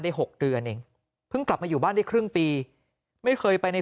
๖เดือนเองเพิ่งกลับมาอยู่บ้านได้ครึ่งปีไม่เคยไปใน